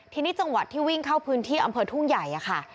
ทีนี้จังหวัดที่วิ่งเข้าพื้นที่อำเภอทุ่งใหญ่ค่ะ